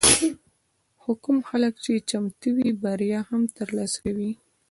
خو کوم خلک چې چمتو وي، بریا هم ترلاسه کوي.